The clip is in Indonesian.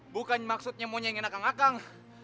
bukan maksudnya mau nyayangin kang